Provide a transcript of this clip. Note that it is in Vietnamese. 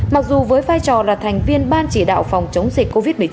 mặc dù với vai trò là thành viên ban chỉ đạo phòng chống dịch covid một mươi chín